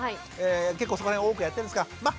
結構そこら辺を多くやってるんですがまっ